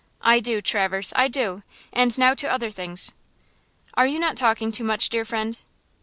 "I do, Traverse, I do; and now to other things." "Are you not talking too much, dear friend?"